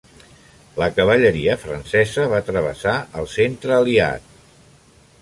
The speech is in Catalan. La cavalleria francesa va travessar el centre aliat.